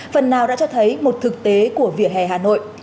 phần nào đã cho thấy một thực tế của vỉa hè hà nội